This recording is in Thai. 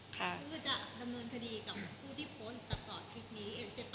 คือจะดำเนินคดีกับผู้ที่โพสต์ตัดต่อทริปนี้